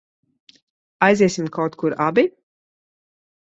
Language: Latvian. Aiziesim kaut kur abi?